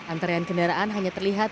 antarian kendaraan hanya terlihat